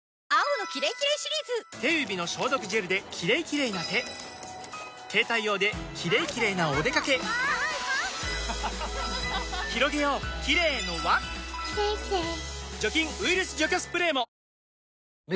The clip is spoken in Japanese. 手指の消毒ジェルで「キレイキレイ」な手携帯用で「キレイキレイ」なおでかけひろげようキレイの輪除菌・ウイルス除去スプレーも！